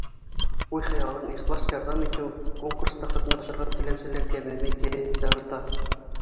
Уй-хыялың — ихлас ярҙам итеү Конкурста ҡатнашырға теләүселәр кәмемәй, киреһенсә, арта.